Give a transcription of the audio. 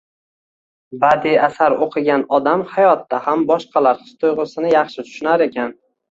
Badiiy asar o‘qigan odam hayotda ham boshqalar his-tuyg‘usini yaxshi tushunar ekan.